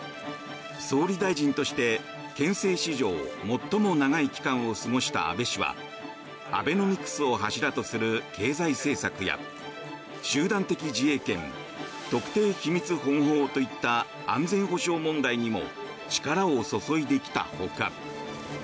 総理大臣として憲政史上最も長い期間を過ごした安倍氏はアベノミクスを柱とする経済政策や集団的自衛権特定秘密保護法といった安全保障問題にも力を注いできたほか。